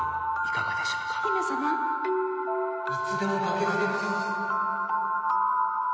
いつでも駆けつけます。